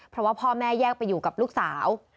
เพราะว่าพ่อแม่แยกไปอยู่กับลูกสาว